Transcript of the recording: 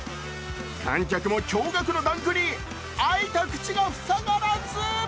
観客も驚がくのダンクに開いた口が塞がらず。